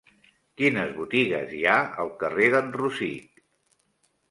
Quines botigues hi ha al carrer d'en Rosic?